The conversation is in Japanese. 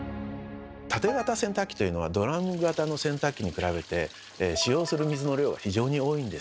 タテ型洗濯機というのはドラム型の洗濯機に比べて使用する水の量が非常に多いんです。